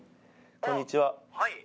こんにちは